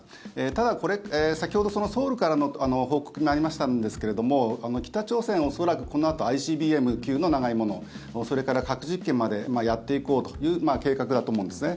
ただ、先ほどソウルからの報告にありましたけれど北朝鮮、恐らくこのあとＩＣＢＭ級の長いものそれから核実験までやっていこうという計画だと思うんですね。